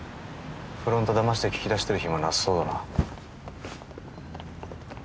フロントを騙して聞き出してる暇はなさそうだな。